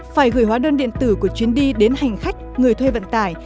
phải gửi hóa đơn điện tử của chuyến đi đến hành khách người thuê vận tải